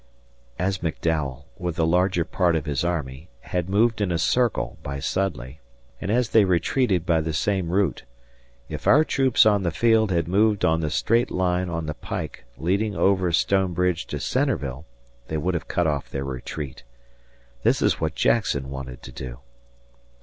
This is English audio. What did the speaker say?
As McDowell, with the larger part of his army, had moved in a circle by Sudley, and as they retreated by the same route, if our troops on the field had moved on the straight line on the pike leading over Stone Bridge to Centreville, they would have cut off their retreat. This is what Jackson wanted to do.